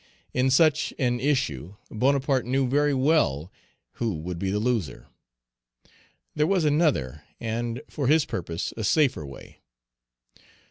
In such an issue Bonaparte knew very well who would be the loser. There was another, and, for his purpose, a safer way.